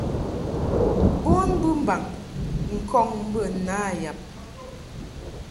Bon bɨmbaŋ ŋkɔŋ bə na yab.